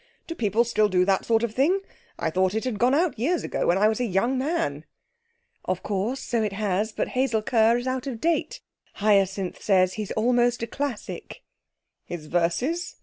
Do people still do that sort of thing? I thought it had gone out years ago when I was a young man.' 'Of course, so it has. But Hazel Kerr is out of date. Hyacinth says he's almost a classic.' 'His verses?'